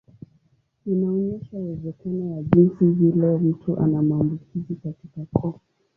Inaonyesha uwezekano wa jinsi vile mtu ana maambukizi katika koo.